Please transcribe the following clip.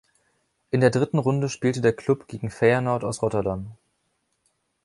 In der dritten Runde spielte der Club gehen Feyenoord aus Rotterdam.